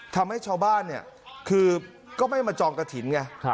ทำให้ชาวบ้านก็ไม่มาจองกฐิน